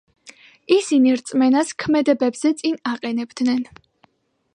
ისინი რწმენას ქმედებებზე წინ აყენებდნენ.